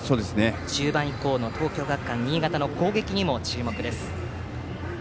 中盤以降の東京学館新潟の攻撃にも注目です。